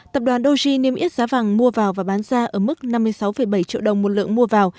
tập đoàn doji niêm yết giá vàng mua vào và bán ra ở mức năm mươi sáu bảy triệu đồng một lượng mua vào